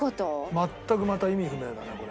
全くまた意味不明だねこれ。